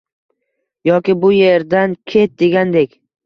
Yoki" Bu erdan ket ", degandek